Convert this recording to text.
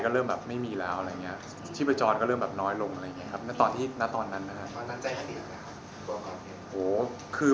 คือเราชอคด้วยแล้วคิดว่าเกิดขึ้นจริงหรือ